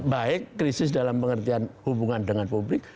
baik krisis dalam pengertian hubungan dengan publik